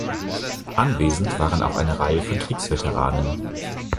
Anwesend waren auch eine Reihe von Kriegsveteranen.